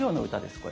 これ。